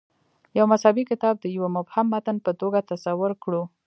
یو مذهبي کتاب د یوه مبهم متن په توګه تصور کړو.